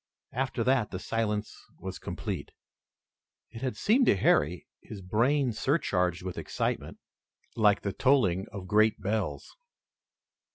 After that the silence was complete. It had seemed to Harry, his brain surcharged with excitement, like the tolling of great bells.